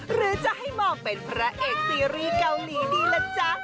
หรือจะให้มองเป็นพระเอกซีรีส์เกาหลีดีล่ะจ๊ะ